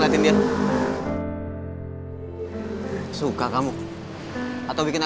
nah dia liat gak buku nikahnya tadi gimana